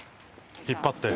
引っ張って！